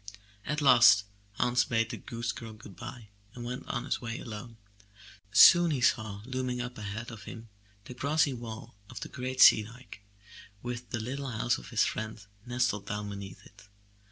At last Hans bade the goose girl good bye and went on his way alone. Soon he saw looming up ahead of him the grassy wall of the great sea dike, with the little house of his friend nestled down beneath it.